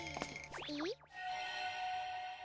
えっ？